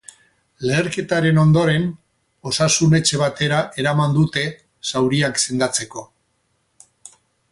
Leherketaren ondoren, osasun-etxe batera eraman dute zauriak sendatzeko.